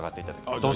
どうぞ。